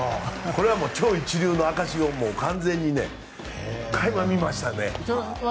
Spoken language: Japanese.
これは超一流の証しを、完全に垣間見ましたね。